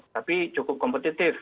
tapi cukup kompetitif